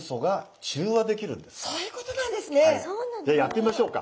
じゃあやってみましょうか。